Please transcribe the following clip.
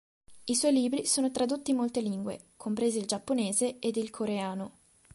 I suoi libri sono tradotti in molte lingue, compresi il giapponese ed il coreano.